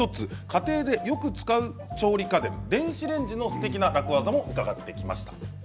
家庭でよく使う調理家電電子レンジのすてきな楽ワザも伺ってきました。